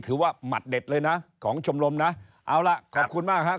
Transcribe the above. หมัดเด็ดเลยนะของชมรมนะเอาล่ะขอบคุณมากครับ